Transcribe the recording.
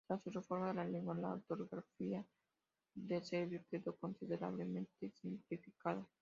Tras su reforma de la lengua, la ortografía del serbio quedó considerablemente simplificada.